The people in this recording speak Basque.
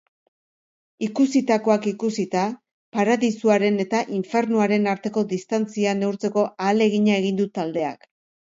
Ikusitakoak ikusita, paradisuaren eta infernuaren arteko distantzia neurtzeko ahalegina egin du taldeak.